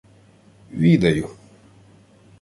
— Відаю.